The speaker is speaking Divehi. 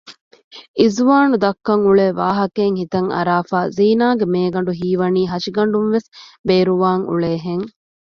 އިޒުވާނު ދައްކަން އުޅޭ ވާހަކައެއް ހިތަން އަރާފައި ޒީނާގެ މޭގަނޑު ހީވަނީ ހަށިގަނޑުންވެސް ބޭރުވާން އުޅޭހެން